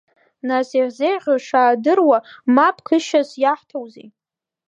Нас иаҳзеиӷьхо шаадыруа, мап кышьас иаҳҭоузеи?